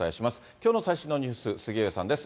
きょうの最新のニュース、杉上さんです。